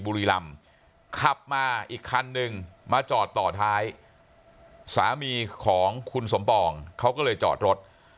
บุรีรำขับมาอีกคันนึงมาจอดต่อท้ายสามีของคุณสมปองเขาก็เลยจอดรถ